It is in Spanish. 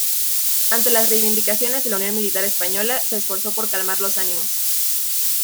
Ante las reivindicaciones de la Unión Militar Española se esforzó por calmar los ánimos.